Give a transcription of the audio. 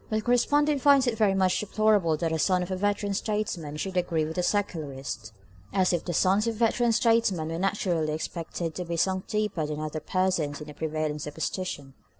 But the correspondent finds it very much more deplorable that a son of a veteran statesman should agree with the Secularist—as if the sons of veteran statesmen were naturally expected to be sunk deeper than other persons in the prevailing superstition.